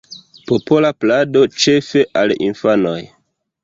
Popola plado, ĉefe al infanoj.